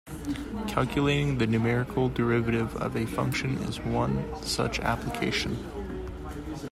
Calculating the numerical derivative of a function is one such application.